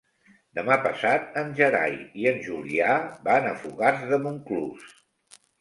Demà passat en Gerai i en Julià van a Fogars de Montclús.